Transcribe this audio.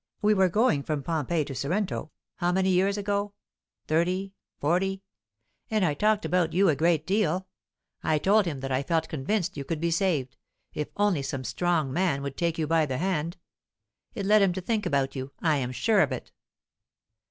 We were going from Pompeii to Sorrento how many years ago? thirty, forty? and I talked about you a great deal. I told him that I felt convinced you could be saved, if only some strong man would take you by the hand. It led him to think about you; I am sure of it."